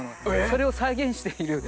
それを再現している。